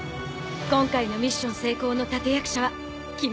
今回のミッション成功の立役者は君だからね。